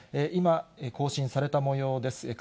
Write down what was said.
今、更新されたもようです。